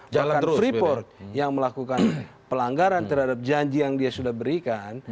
bahkan freeport yang melakukan pelanggaran terhadap janji yang dia sudah berikan